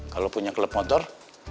kalau punya klub motor